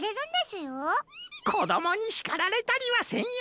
こどもにしかられたりはせんよ。